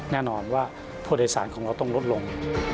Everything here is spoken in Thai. แน่นอนว่าผู้โดยสารของเราต้องลดลง